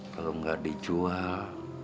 kalau gak dijual